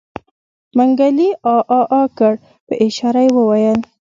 منګلي عاعاعا کړ په اشاره يې وويل.